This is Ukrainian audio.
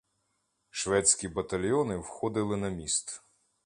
Шведські батальйони входили на міст.